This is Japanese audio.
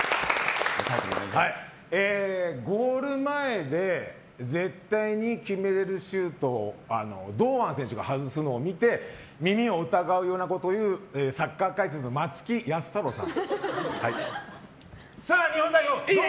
ゴール前で絶対に決められるシュートを堂安選手が外すのを見て耳を疑うようなことを言うサッカー解説の松木安太郎さん。